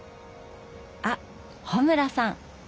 あっ穂村さん。